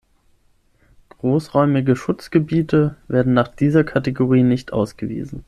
Großräumige Schutzgebiete werden nach dieser Kategorie nicht ausgewiesen.